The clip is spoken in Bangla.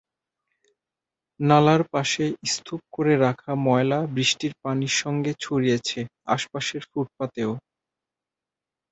নালার পাশে স্তূপ করে রাখা ময়লা বৃষ্টির পানির সঙ্গে ছড়িয়েছে আশপাশের ফুটপাতেও।